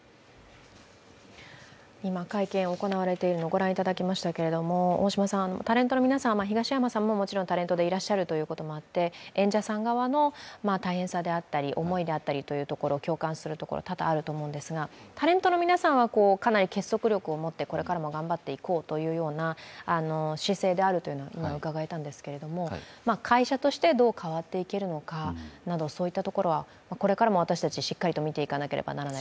ご家庭でどんな話になってるの？とか、タレントの皆さん、東山さんももちろんタレントさんでいらっしゃるということもあって演者さん側の大変さであったり思いであったり共感するところ多々あると思うんですがタレントの皆さんはかなり結束力をもってこれからも頑張っていこうという姿勢がうかがえたんですけれども会社としてどう変わっていけるのかなど、そういったところはこれからも私たち、しっかりと見ていかなければいけない